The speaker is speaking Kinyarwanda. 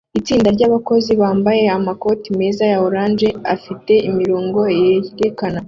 Itsinda ryabakozi bambaye amakoti meza ya orange afite imirongo yerekana